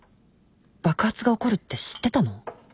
爆発が起こるって知ってたの？